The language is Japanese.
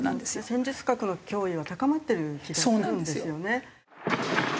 戦術核の脅威は高まってる気がするんですよね。